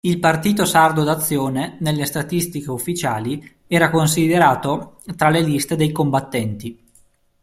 Il Partito Sardo d'Azione nelle statistiche ufficiali era considerato tra le liste dei "Combattenti".